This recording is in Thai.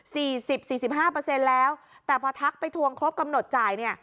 สี่สิบสี่สิบห้าเปอร์เซ็นต์แล้วแต่พอทักไปทวงครบกำหนดจ่ายเนี่ย